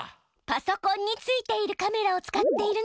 パソコンについているカメラを使っているの。